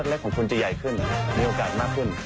เล็กของคุณจะใหญ่ขึ้นมีโอกาสมากขึ้น